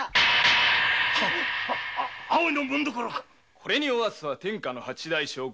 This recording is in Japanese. これにおわすは天下の八代将軍